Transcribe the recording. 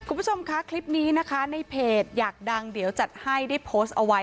คุณผู้ชมคะคลิปนี้นะคะในเพจอยากดังเดี๋ยวจัดให้ได้โพสต์เอาไว้